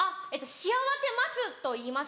「幸せます」と言います。